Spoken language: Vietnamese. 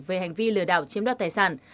về hành vi lừa đảo chiếm đoạt tài sản